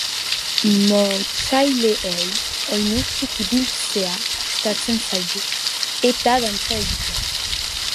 Motxaileei oinutsik ibiltzea gustatzen zaie, eta dantza egitea.